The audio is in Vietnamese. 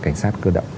cảnh sát cơ động